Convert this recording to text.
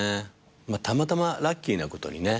たまたまラッキーなことにね